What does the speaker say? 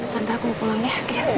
tante aku mau pulang ya